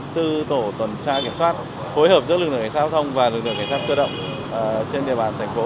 hai mươi bốn tổ tuần tra kiểm soát phối hợp giữa lực lượng cảnh sát giao thông và lực lượng cảnh sát cơ động trên địa bàn thành phố